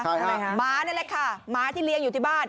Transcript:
ทำไมคะหมานั่นแหละค่ะหมาที่เลี้ยงอยู่ที่บ้าน